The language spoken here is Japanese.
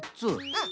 うん。